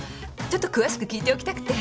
ちょっと詳しく聞いておきたくて。